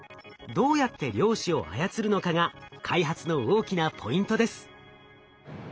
どうやって量子を操るのかが開発の大きなポイントです。